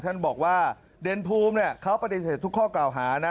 ท่านบอกว่าเด่นภูมิเขาปฏิเสธทุกข้อกล่าวหานะ